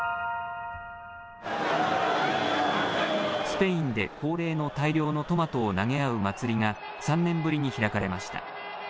スペインで恒例の大量のトマトを投げ合う祭りが、３年ぶりに開かれました。